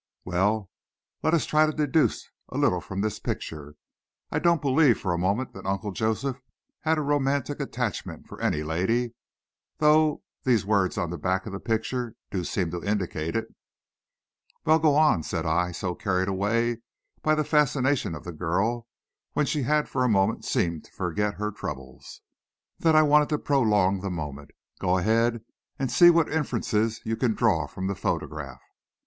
"Well, let us try to deduce a little from this picture. I don't believe for a moment, that Uncle Joseph had a romantic attachment for any lady, though these words on the back of the picture do seem to indicate it." "Well, go on," said I, so carried away by the fascination of the girl, when she had for a moment seemed to forget her troubles, that I wanted to prolong the moment. "Go ahead, and see what inferences you can draw from the photograph."